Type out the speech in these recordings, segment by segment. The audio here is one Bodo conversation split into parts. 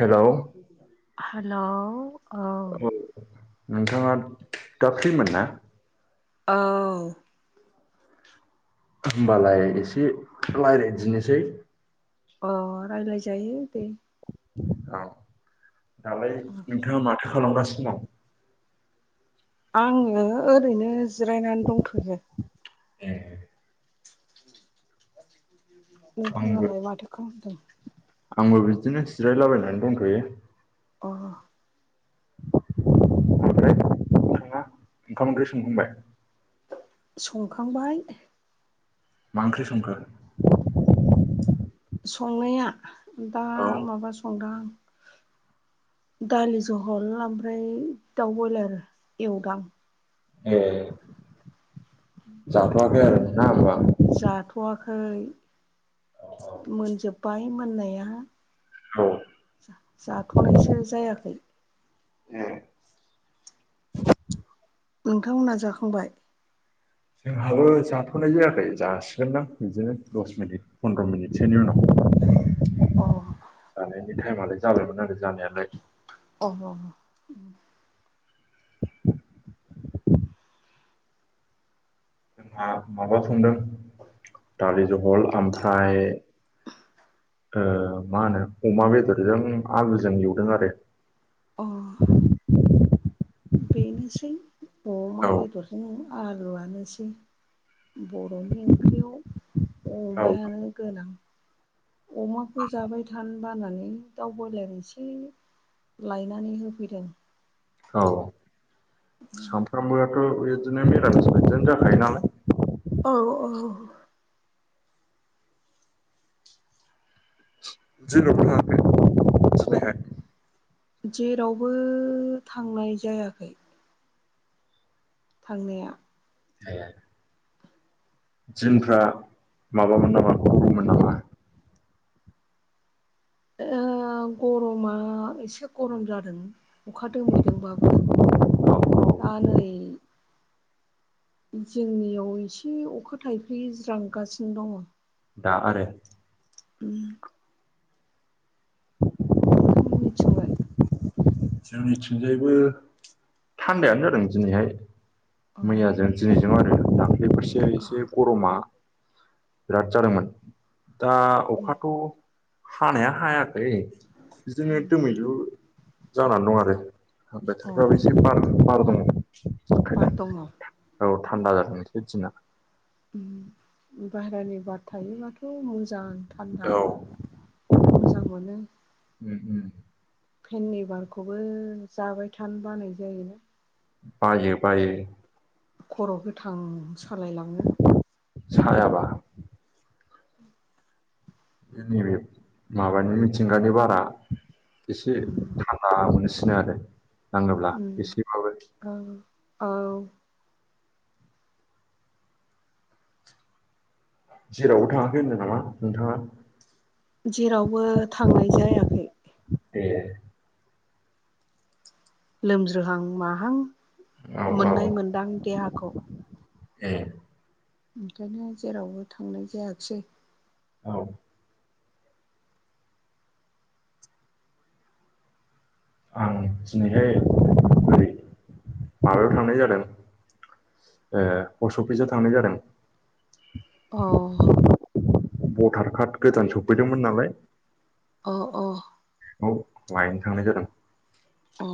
हेल' हेल' औ नोंथाङा दा फ्रिमोन ना ओ होमबालाय एसे रायज्लायदिनोसै अ रायलायजायो दे औ दालाय नोंथाङा माथो खालामगासिनो दं आङो ओरैनो जिरायनानै दंथयो ए [inaudible] आंबो नोंथाङालाय माथो खालामदों आंबो बिदिनो जिरायलाबायनानै दंथ'यो अ ओमफ्राय नोंथाङा ओंखाम ओंख्रि संखांबाय संखांबाय मा ओंख्रि संखो संनाया दा औ माबा संदों आं दालि जहल ओमफ्राय दाउ ब्रयलार एवदां ए जाथवाखै आरो ना होमबा जाथवाखै मोनजोबबाय मोननाया औ जाथनायसो जायाखै ए नोंथांमोनहा जाखांबाय जोंहाबो जाथनाय जायाखै जासिगोनदां बिदिनो दसे पन्द्र मिनिटसोनि उनाव अ जानायनि टाइमालाय जाबायमोन आरो जानायालाय अ अ माबा संदों दालि जहल ओमफ्राय मा होनो अमा बेदरजों आलुजों एवदों आरो अ बेनोसै अमा बेदरजों आलुआनोसै बर'नि ओंख्रियाव औ अमायानो गोनां अमाखौ जाबाय थानो बानानै दाउ बयलार एसे लायनानै होफैदों औ सामफ्रामबोआथ बिदिनो मिरामिसादिनो जाखायो नालाय औ औ जेरावबो थाङाखै दिनैहाय जेरावबो थांनाय जायाखै थांनाया ए दिनफ्रा माबा मोन नामा गरममोन नामा ओ गरमा एसे गरम जादों अखा दोमैदोंबाबो औ औ दा नै जोंनियाव एसे अखा थाइफ्रि ज्रांगासिनो दङ दा आरो उम नोंथांमोननिथिंलाय जोंनिथिंजायबो थान्दायानो जादों दिनैहाय मैयाजों दिनैजों आरो दाख्लैफोरसो एसे गरमा बिराद जादोंमोन दा अखाथ' हानाया हायाखै बिदिनो दोमैलु जानानै दं आरो अ अ बोथोरफ्राबो एसे बार दङ बार बेखायनो दङ उम औ थान्दा जादोंसो दिना बायेरानि बाद थायोबाथ' मा मोजां थान्दा उम मोजां मोनो उम फेननि बारखौबो जाबाय थानो बानाय जायोना बायो बायो खर गोथां सालायलाङो सायाबा [inaudible] नैबे माबानि मिथिंगानि बारा एसे उम थानदा मोनसिनो आरो नाङोब्ला उम एसेबाबो औ औ जेरावबो थाङाखै होनदों नामा नोंथाङा जेरावबो थांनाय जायाखै ए लोमज्रोहां माहां औ औ मोननाय मोनदां देहाखौ ए ओंखायनो जेरावबो थांनाय जायाखिसै औ आं दिनैहाय ओरै माबायाव थांनाय जादों ओ पस्ट अफिसाव थांनाय जादों अ भटार कार्ड गोदान सफैदोंमोन नालाय अ अ बे लायनो थांनाय जादों अ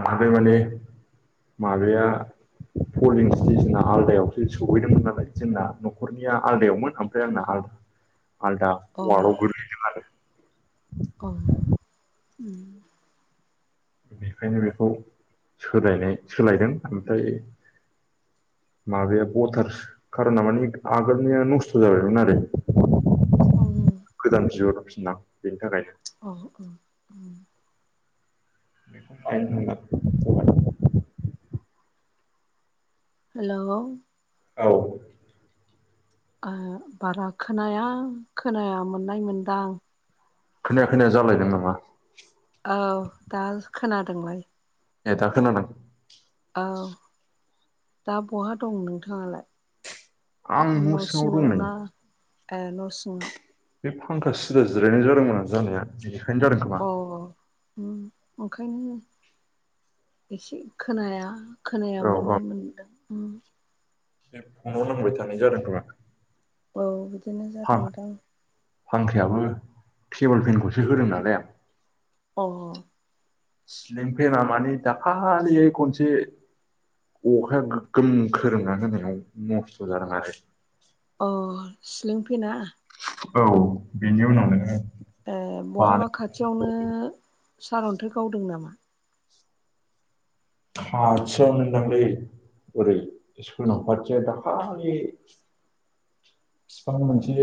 आंहाबो माने माबाया पलिं स्टेसना आलदायावसो सहैदोंमोन नालाय जोंना न'खरनिया आलदायावमोन ओमफ्राय आंना आलदा आलदा अ वार्डआव गोग्लैदों आरो अ उम बेखायनो बेखौ सोलायनाय सोलायदों ओमफ्राय माबाया भटारस खारना माने आगोलनिया नस्थ' जाबायमोन आरो [unintelligible] गोदान जिउआव [unintelligible] बेनि थाखायनो अ अ औ। [unintelligible] हेल'। औ। ओ बारा खोनाया खोनाया मोननाय मोनदां। खोनाया खोनाया जाबायदों नामा? औ दा खोनादोंमोन। ए दा खोनादों? औ। दा बहा दं नोंथाङालाय? आं न' दं सिङाव नै ना ओ न' सिङाव? बे फांखा सिदा जिरायनाय जादोंमोन आं जानाया। बिनिखायनो जादों खोमा। औ औ उम ओंखायनो एसे खोनाया खोनाया औ औ मोननाय मोनदों उम। बे फनाव नांबाय थानाय जादों खोमा। औ बिदिनो फां जादोंदां। फांखायाबो टेबोल फेनखौसो होदों नालाय आं। अ औ सिलिं फेना माने दाखलियै खनसे अखाया गोगोम खोरोमनानै होनायाव नस्थ' जादों आरो। अ सिलिं पेना? औ बेनि उनावनो ए बहाबा खाथियावनो सारन्थाइ गावदों नामा? खाथियावनोदांलै ओरै सोनाबहाथिनिया दाखालि फिफां मोनसे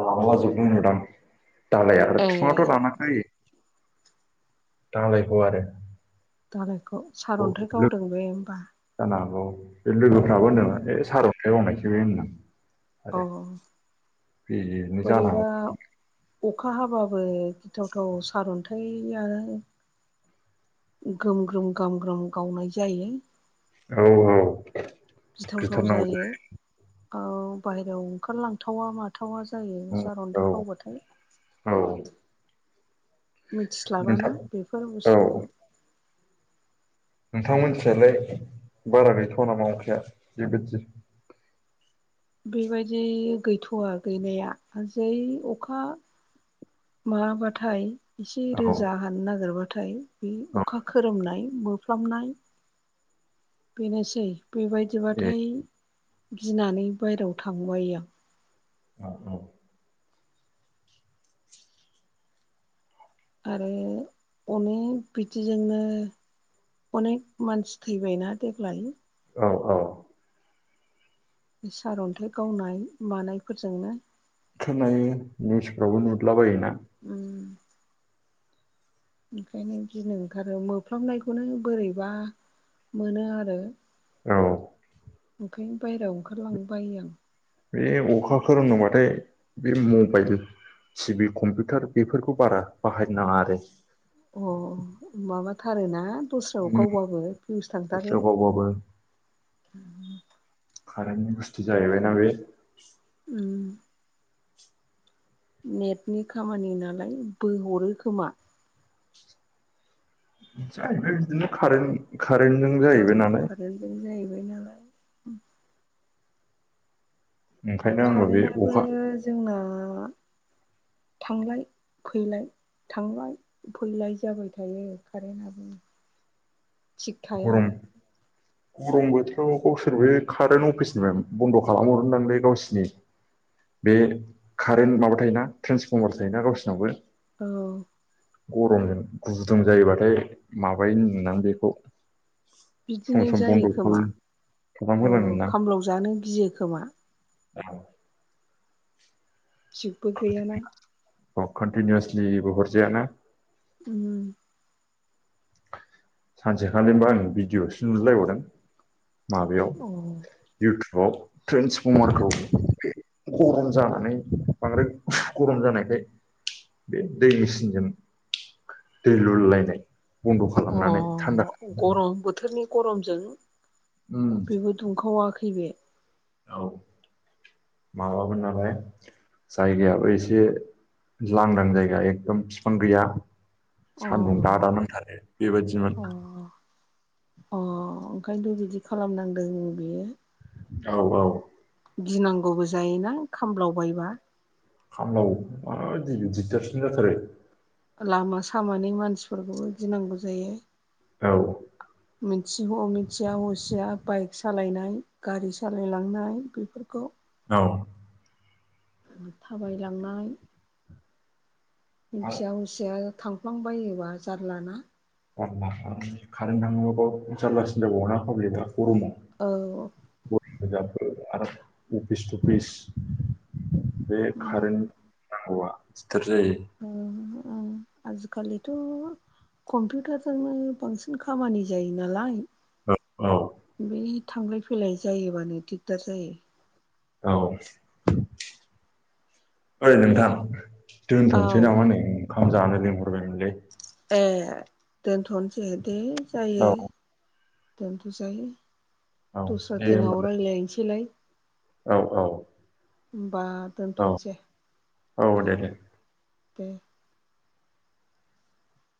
गादला जोबनाय नुदां। दालाय आरो ए बिफाङावथ' रानाखै दालायखौ आरो। दालायखौ औ सारन्थाइ लोग गावदों बे होमबा [inaudible] जानो हागौ बे लोगोफ्राबो औ होनदों ए सार' थाइ गावनायसो बे होनदों औ बे बोरैबा अखा हाबाबो गिथावथाव सारन्थाइया ग्रोम- ग्रोम ग्राम -ग्राम गावनाय जायो। औ औ गिथावथाव गिथारनांगौ जायो औ बाहेरायाव ओंखारलांथावा माथावा जायो उम, औ सारन्थाइ गावबाथाय। औ। नोंथां मिथिस्लाबाना बेफोर औ बुस्थुखौ। नोंथांमोनथिंजालाय बारा गैथ'वा नामा अखाया बेबायदि? बेबायदि गैथ'वा गैनाया जै अखा माबाबाथाय एसे औ रोजा हानो नागिरबाथाय बे औ अखा खोरोमनाय फ्लामनाय बेनोसै ए बेबायदिबाथाय गिनानै बायहेरायाव थांनो बायो आं। औ औ। आरो अनेक बिदिजोंनो अनेक मानसि थैबायना देग्लाय। औ औ। बि सारन्थाइ गावनाय मानायफोरजोंनो। खोनायो निउसफ्रावबो नुदला बायोना। उम ओंखायनो गिनो ओंखारो मोफ्लाबनायखौनो बोरैबा मोनो आरो। औ ओंखायनो बाहेरायाव ओंखारलांनो बायो आं। बे अखा खोरोमदोंबाथाय बे मबाइल टिभि कम्पिउटार बेफोरखौ बारा बाहायनो नाङा आरो अ माबाथारोना दस्रायाव गावबाबो पिउस थांथारो। गावबाबो कारेन्टनि बुस्थु जाहैबायना बे। उम नेटनि खामानि नालाय बोहरो खोमा। जाहैबाय बिदिनो कारेन्ट कारेन्टजों ओ जाहैबाय नालाय कारेन्टजों जाहैबाय नालाय ओंखायनो आंबो बे कारेन्टनाबो अखा जोंना थांलाय फैलाय थांलाय फैलाय जाबाय थायो कारेन्टआबो थिग थाया गरम गरम बोथोराव गावसोरबो कारेन्ट अफिसनिफ्राय बन्द' खालामहरो दांलै गावसिनि बे कारेन्ट माबा थायोना ट्रेन्सफर्मार थायोना गावसिनावबो औ गरमजों गुुदुं जायोबाथाय माबायोनो‌ नोंथां बेखौ सम बिदिनो सम जायो बन्द' खोमा खालाम औ होनांगोनदां खामलाव जानो गियो खोमा औ थिगबो गैयाना कन्टिनिउसलिबो हरजायाना उम सानसेखालिबा आं भिडिअआवसो नुलायलायबावदों। माबायाव अ इउटुबाव ट्रेन्सफर्मारखौ गरम जानानै बांद्राय गरम जानायखाय बे दै मेसिनजों दै लुलायनाय बन्द' अ खालामनानै थान्दा गरम बोथोरनि गरमजों उम बेबो दुंखावाखै बे औ माबामोन नालाय जायगायावाब एसे लांदां जायगा एकदम बिफां गैया अ सान्दुं दादा नांथारो बेबायदिमोन अ अ ओंखायनोथ' बिदि खालामनांदों बियो औ औ गिनांगौबो जायोना खामलावबायबा खामलाव माबायदि [unintelligible] जाथारो लामा सामानि मानसिफोरखौबो गिनांगौ जायो औ मिथि बावनो मिथिया असिया बाइक सालायनाय गारि सालायलांनाय बेफोरखौ औ थाबायलांनाय आरो मिन्थिया उसिया थां फां बायोबा जारलाना जारला कारेन्ट थाङाबो जारलासिन जाबावो ना गरमाव औ [unintelligible] आरो अफिस टुफिस बे कारेन्ट नांगौआ दिगदार जायो [unintelligible] आजिखालिथ' कम्पिउटारजोंनो बांसिन खामानि जायो नालाय औ बै थांलाय फैलाय जायोबानो दिगदार जायो औ ओरै नोंथां दोनथ'नोसै औ नामा नै ओंखाम जानो लिंहरबायमोनलै ए दोनथ'नोसै दे जायो औ दोनथ' जायो औ दस्रा दिनाव रायलायनोसैलाय औ-औ होनबा दोनथ'नोसै औ दे दे दे